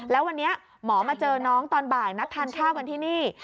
แล้ววันนี้หมอมาเจอน้องตอนบ่ายนัดทานข้าวกันที่นี่